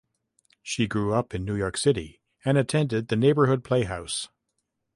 She grew up in New York City and attended the Neighborhood Playhouse.